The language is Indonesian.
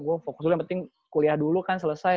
gue fokus dulu yang penting kuliah dulu kan selesai